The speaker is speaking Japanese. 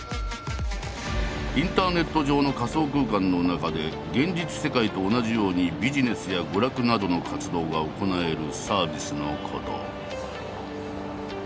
インターネット上の仮想空間の中で現実世界と同じようにビジネスや娯楽などの活動が行えるサービスのこと。